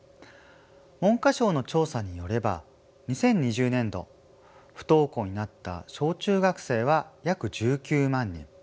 文科省の調査によれば２０２０年度不登校になった小中学生は約１９万人。